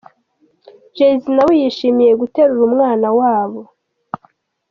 Jay Z nawe yishimiye guterura umwana wabo.